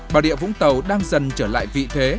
bà địa vũng tàu đang dần trở lại vị thế